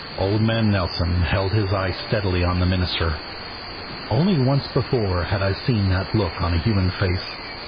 Old man Nelson held his eye steadily on the minister. Only once before had I seen that look on a human face.